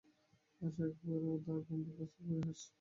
আশা একবড়ো উদার গম্ভীর প্রস্তাবে পরিহাস প্রাপ্ত হইয়া রাগ করিল।